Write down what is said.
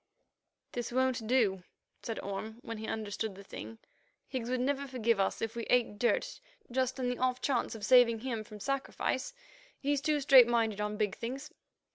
"This won't do," said Orme, when he understood the thing. "Higgs would never forgive us if we ate dirt just on the off chance of saving him from sacrifice. He's too straight minded on big things.